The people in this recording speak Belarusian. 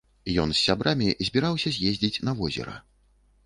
Ён з сябрамі збіраўся з'ездзіць на возера.